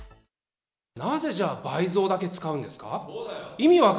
なぜ、じゃあ倍増だけ使うんですか。